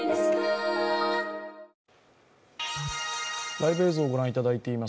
ライブ映像をご覧いただいています。